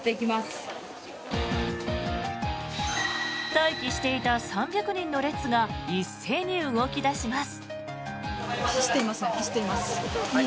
待機していた３００人の列が一斉に動き出します。